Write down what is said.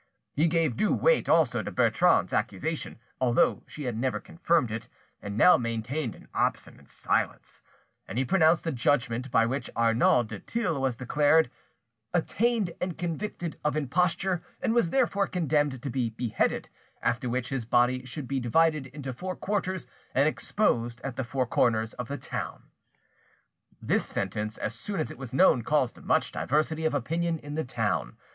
He gave due weight also to Bertrande's accusation, although she had never confirmed it, and now maintained an obstinate silence; and he pronounced a judgment by which Arnauld du Thill was declared "attainted and convicted of imposture, and was therefore condemned to be beheaded; after which his body should be divided into four quarters, and exposed at the four corners of the town." This sentence, as soon as it was known, caused much diversity of opinion in the town.